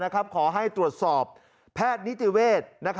ขอให้ตรวจสอบแพทย์นิติเวศ